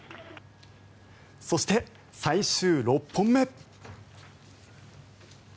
そして、最終６本目。